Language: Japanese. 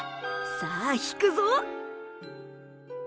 さあ弾くぞ！